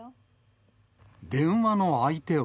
電話の相手は。